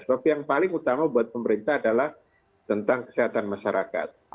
tapi yang paling utama buat pemerintah adalah tentang kesehatan masyarakat